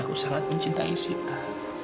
aku sangat mencintai sita